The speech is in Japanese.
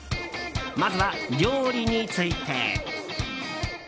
まずは、料理について。